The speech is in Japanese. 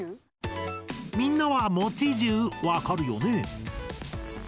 みんなは「もちじゅう」わかるよね？